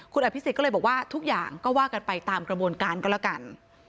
คุณอภิษฎก็เลยบอกว่าทุกอย่างก็ว่ากันไปตามกระบวนการก็แล้วกัน